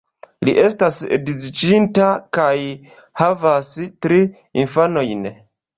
Li estas edziĝinta, kaj havas tri infanojn.